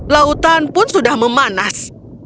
lautan pun sudah memanas